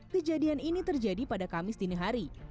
kejadian ini terjadi pada kamis dinihari